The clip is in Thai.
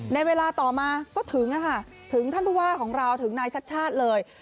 ในเวลาต่อมาก็ถึงค่ะถึงท่านผู้ว่าของเราถึงนายชัดชาติเลย